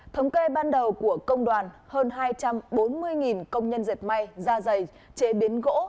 thống kê ban đầu của công đoàn hơn hai trăm bốn mươi công nhân dệt may da dày chế biến gỗ